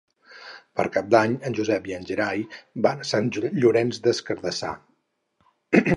Per Cap d'Any en Josep i en Gerai van a Sant Llorenç des Cardassar.